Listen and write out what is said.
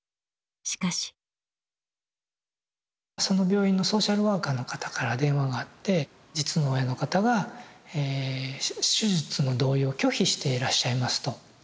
その病院のソーシャルワーカーの方から電話があって実の親の方がえ手術の同意を拒否していらっしゃいますと。